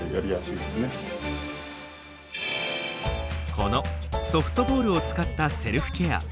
このソフトボールを使ったセルフケア。